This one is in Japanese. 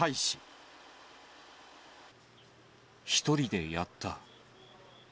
１人でやった。